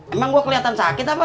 emang gue kelihatan sakit apa